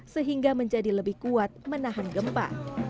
sehingga menjadi lebih kuat menahan gempa